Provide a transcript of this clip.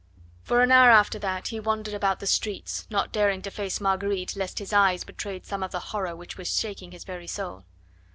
For an hour after that he wandered about the streets, not daring to face Marguerite, lest his eyes betrayed some of the horror which was shaking his very soul.